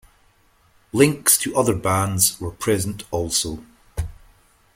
Links to other bands were present also.